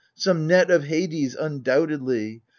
Some net of Hades undoubtedly